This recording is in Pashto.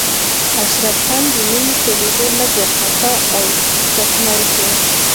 اشرف خان د مينې په ليدو لږ وارخطا او ټکنی شو.